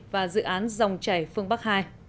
và dự án dòng chảy phương bắc hai